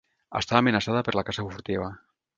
Està amenaçada per la caça furtiva.